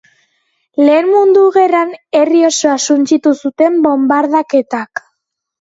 Lehen Mundu Gerran, herri osoa suntsitu zuten bonbardaketak.